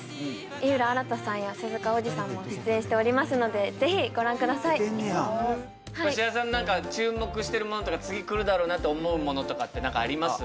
井浦新さんや鈴鹿央士さんも出演しておりますのでぜひご覧ください志田さん何か注目してるものとか次くるだろうなと思うものとかって何かあります？